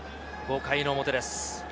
５回の表です。